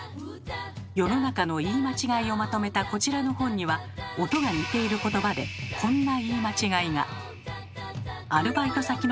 世の中の言い間違いをまとめたこちらの本には音が似ている言葉でこんな言い間違いが。